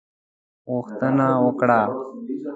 غوښتنه وکړه.